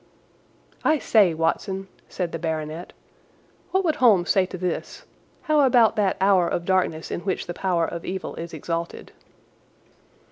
"I say, Watson," said the baronet, "what would Holmes say to this? How about that hour of darkness in which the power of evil is exalted?"